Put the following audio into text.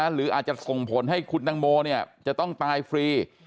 หรืออาจจะส่งผลให้คุณตังโมจะต้องตายฟรี